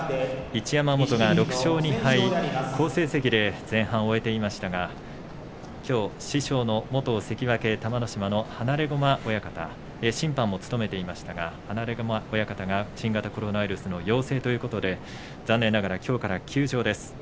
一山本が６勝２敗、好成績で前半を終えていましたがきょう師匠の元関脇玉乃島の放駒親方新型コロナウイルスの陽性ということで残念ながらきょうから休場です。